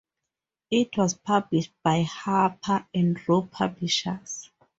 It was published by Harper and Row Publishers.